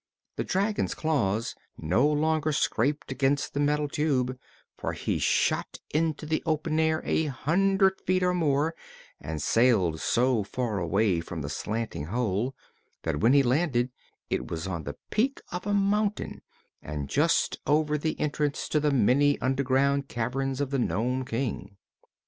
The dragon's claws no longer scraped against the metal Tube, for he shot into the open air a hundred feet or more and sailed so far away from the slanting hole that when he landed it was on the peak of a mountain and just over the entrance to the many underground caverns of the Nome King.